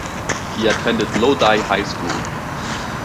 He attended Lodi High School.